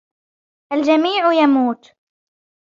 الجميع يموت.